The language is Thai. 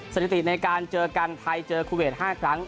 สถิติในการเจอกันไทยเจอคูเวท๕ครั้ง